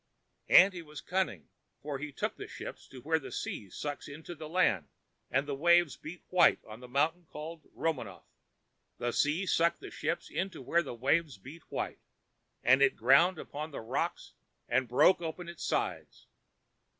And he was cunning, for he took the ship to where the sea sucks in to the land and the waves beat white on the mountain called Romanoff. The sea sucked the ship in to where the waves beat white, and it ground upon the rocks and broke open its sides.